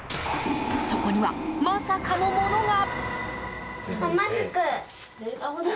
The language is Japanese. そこには、まさかのものが。